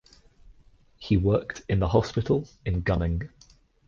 He worked in the hospital in Gugging.